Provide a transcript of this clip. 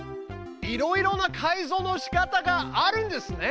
いろいろな改造のしかたがあるんですね。